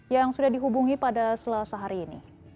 yang sudah dihubungi pada selasa hari ini